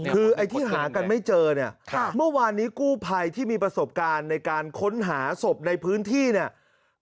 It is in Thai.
คือไอ้ที่หากันไม่เจอเนี่ยเมื่อวานนี้กู้ภัยที่มีประสบการณ์ในการค้นหาศพในพื้นที่เนี่ย